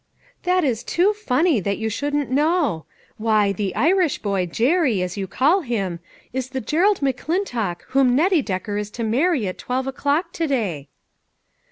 " That is too funny that you shouldn't know ! Why, the Irish boy, Jerry, as you call him, is the Gerald McClintock whom Nettie Decker is to marry at twelve o'clock to day."